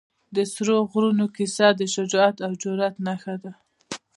د سرو غرونو کیسه د شجاعت او جرئت نښه ده.